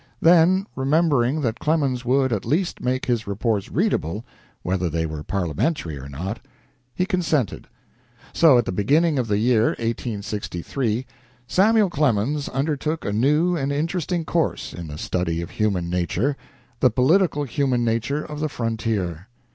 Then, remembering that Clemens would, at least, make his reports readable, whether they were parliamentary or not, he consented. So, at the beginning of the year (1863), Samuel Clemens undertook a new and interesting course in the study of human nature the political human nature of the frontier.